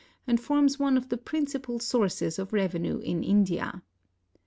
and forms one of the principal sources of revenue in India.